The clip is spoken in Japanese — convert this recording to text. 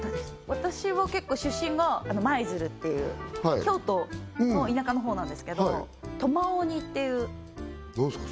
私は結構出身が舞鶴っていう京都の田舎のほうなんですけどトマオニっていう何すか？